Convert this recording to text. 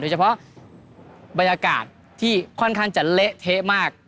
เฉพาะบรรยากาศที่ค่อนข้างจะเละเทะมาก